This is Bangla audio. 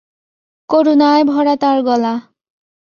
করুণায় ভরা তার গলা।